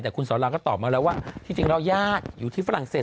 แต่คุณสอนราก็ตอบมาแล้วว่าจริงแล้วญาติอยู่ที่ฝรั่งเศส